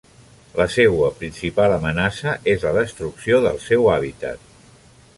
La seua principal amenaça és la destrucció del seu hàbitat.